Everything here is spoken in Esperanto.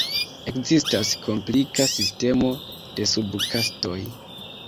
Ekzistas komplika sistemo de sub-kastoj.